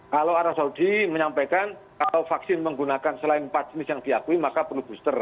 kalau arab saudi menyampaikan kalau vaksin menggunakan selain empat jenis yang diakui maka perlu booster